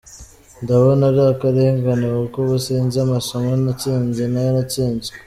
Ndabona ari akarengane kuko ubu sinzi amasomo natsinze n’ayo natsinzwe.